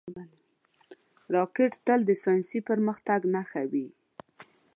راکټ تل د ساینسي پرمختګ نښه وي